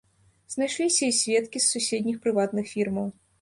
Знайшліся і сведкі з суседніх прыватных фірмаў.